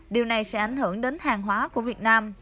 điều này sẽ ảnh hưởng đến hàng hóa của việt nam